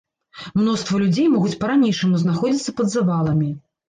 Мноства людзей могуць па-ранейшаму знаходзіцца пад заваламі.